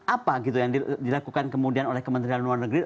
apa gitu yang dilakukan kemudian oleh kementerian luar negeri